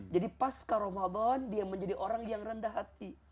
jadi pasca ramadhan dia menjadi orang yang rendah hati